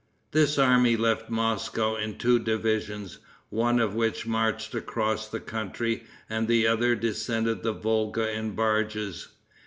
This army left Moscow in two divisions, one of which marched across the country, and the other descended the Volga in barges.